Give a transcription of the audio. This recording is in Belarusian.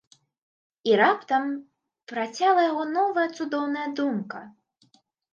І раптам працяла яго новая цудоўная думка.